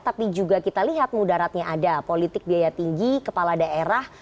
tapi juga kita lihat mudaratnya ada politik biaya tinggi kepala daerah